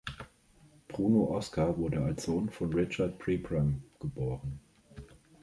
Bruno Oskar wurde als Sohn von Richard Pribram geboren.